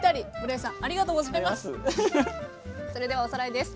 それではおさらいです。